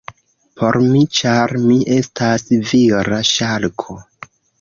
Por mi, ĉar mi estas vira ŝarko.